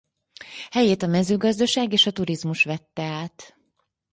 Helyét a mezőgazdaság és a turizmus vette át.